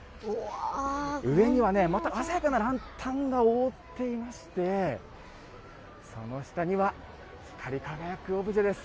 上にはね、また、鮮やかなランタンが覆っていまして、その下には、光り輝くオブジェです。